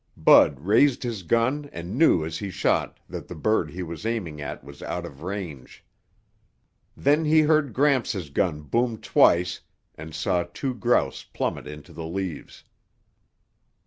Bud raised his gun and knew as he shot that the bird he was aiming at was out of range. Then he heard Gramps' gun boom twice and saw two grouse plummet into the leaves.